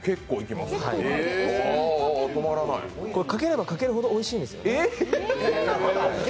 かければかけるほどおいしいんですよ。